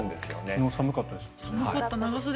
昨日寒かったですか。